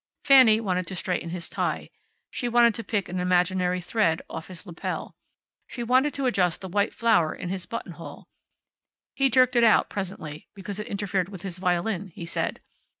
Fanny wanted to straighten his tie. She wanted to pick an imaginary thread off his lapel. She wanted to adjust the white flower in his buttonhole (he jerked it out presently, because it interfered with his violin, he said).